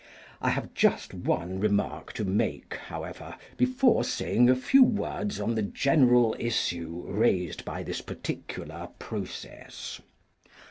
I have just one remark to make, however, before saying a few words on the general issue raised by this particular process.